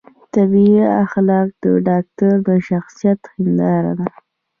طبي اخلاق د ډاکتر د شخصیت هنداره ده